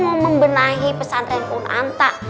mau membenahi pesan renkun anta